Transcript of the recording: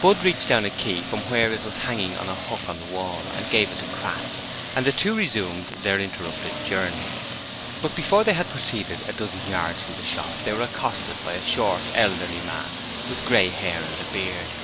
Budd reached down a key from where it was hanging on a hook on the wall and gave it to Crass and the two resumed their interrupted journey. But before they had proceeded a dozen yards from the shop, they were accosted by a short, elderly man with grey hair and a beard.